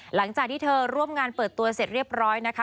หลังจากที่เธอร่วมงานเปิดตัวเสร็จเรียบร้อยนะคะ